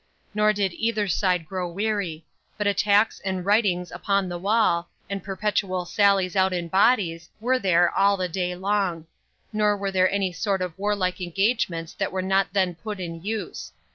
Nor did either side grow weary; but attacks and rightings upon the wall, and perpetual sallies out in bodies, were there all the day long; nor were there any sort of warlike engagements that were not then put in use.